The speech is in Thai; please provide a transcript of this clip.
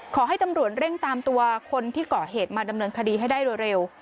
ขอให้ตำรวจเร่งตามตัวคนที่เกาะเหตุมาดำเนินคดีให้ได้เร็ว